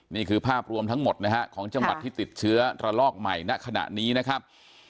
นี่คือภาพรวมทั้งหมดนะฮะของจังหวัดที่ติดเชื้อระลอกใหม่ณขณะนี้นะครับ